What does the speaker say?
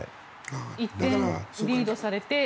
１点リードされて９回の。